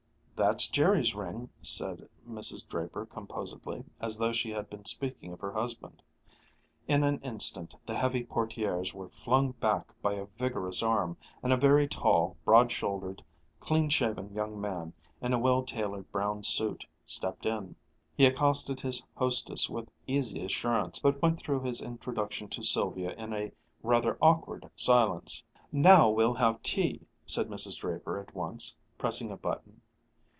"That's Jerry's ring," said Mrs. Draper composedly, as though she had been speaking of her husband. In an instant the heavy portières were flung back by a vigorous arm, and a very tall, broad shouldered, clean shaven young man, in a well tailored brown suit, stepped in. He accosted his hostess with easy assurance, but went through his introduction to Sylvia in a rather awkward silence. "Now we'll have tea," said Mrs. Draper at once, pressing a button.